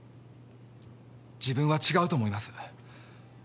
自分は違うと思います。